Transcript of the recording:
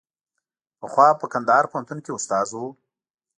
پخوا په کندهار پوهنتون کې استاد و.